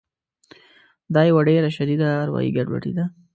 دا یوه ډېره شدیده اروایي ګډوډي ده